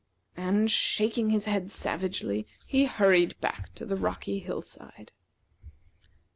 And, shaking his head savagely, he hurried back to the rocky hill side.